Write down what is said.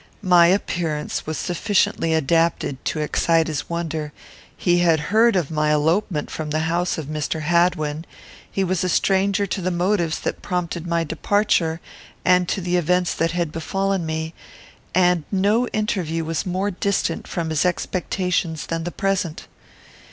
My appearance was sufficiently adapted to excite his wonder; he had heard of my elopement from the house of Mr. Hadwin, he was a stranger to the motives that prompted my departure, and to the events that had befallen me, and no interview was more distant from his expectations than the present.